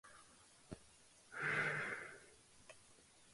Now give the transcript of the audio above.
The women were harassed for wanting to form a sorority.